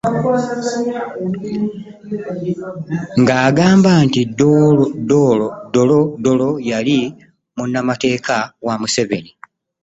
Ng'agamba nti Dollo yali munnamateeka wa Museveni